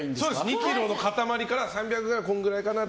２ｋｇの塊から３００はこんぐらいかなって。